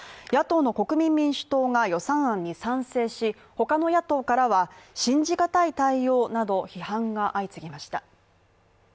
野党の国民民主党が予算案に賛成し他の野党からは信じ難い対応などと批判が相次ぎました。